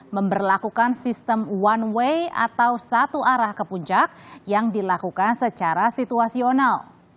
memperlakukan sistem one way atau satu arah ke puncak yang dilakukan secara situasional